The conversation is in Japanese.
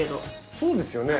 そうですよね。